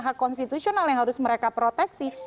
hak konstitusional yang harus mereka proteksi